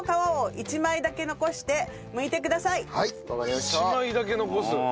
１枚だけ残す。